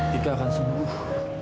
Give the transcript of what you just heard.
tiga akan sembuh